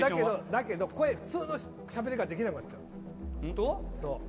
だけど、普通のしゃべりができなくなっちゃう。